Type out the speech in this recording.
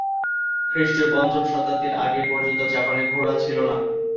খ্রিষ্টীয় পঞ্চম শতাব্দীর আগে পর্যন্ত জাপানে ঘোড়া ছিল না।